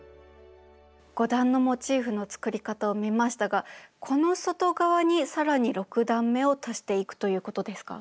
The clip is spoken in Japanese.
５段のモチーフの作り方を見ましたがこの外側に更に６段めを足していくということですか？